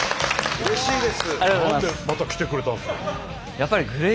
うれしいです。